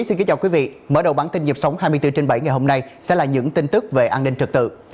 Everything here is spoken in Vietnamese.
xin kính chào quý vị mở đầu bản tin nhịp sống hai mươi bốn trên bảy ngày hôm nay sẽ là những tin tức về an ninh trật tự